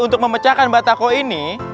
untuk memecahkan batako ini